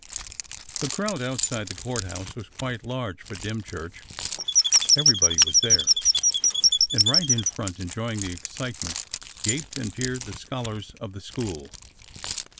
The crowd outside the Court House was quite large for Dymchurch. Everybody was there, and right in front enjoying the excitement gaped and peered the scholars of the school.